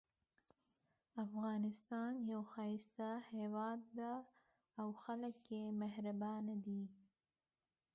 افغانستان یو ښایسته هیواد ده او خلک یې مهربانه دي